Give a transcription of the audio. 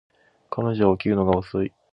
彼女は起きるのが遅い